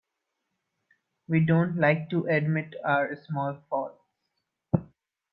We don't like to admit our small faults.